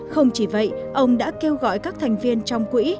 không chỉ vậy ông đã kêu gọi các thành viên trong quỹ